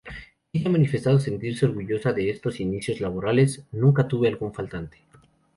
Ella ha manifestado sentirse orgullosa de estos inicios laborales, "nunca tuve algún faltante".